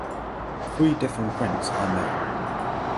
Three different prints are known.